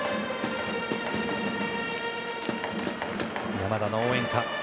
山田の応援歌。